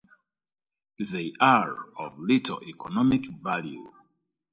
They are of little economic value.